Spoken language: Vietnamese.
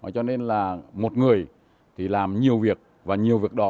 cho nên là một người thì làm nhiều việc